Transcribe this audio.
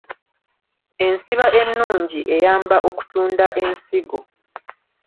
Ensiba ennungi eyamba okutunda ensigo.